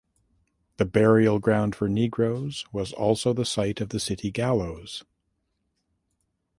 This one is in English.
The Burial Ground for Negroes was also the site of the city gallows.